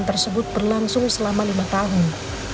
tersebut berlangsung selama lima tahun